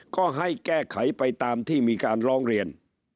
ก็ให้แก้ไขไปตามที่มีการร้องเรียน